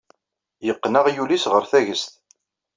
Yeqqen aɣyul-is ɣer tagest.